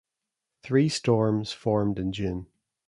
Three storms formed in June.